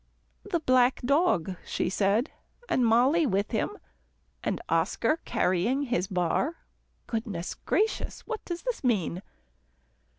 "The black dog," she said, "and Mollie with him, and Oscar carrying his bar. Goodness gracious! What does this mean?"